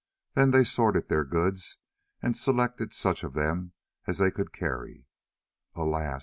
Then they sorted their goods and selected such of them as they could carry. Alas!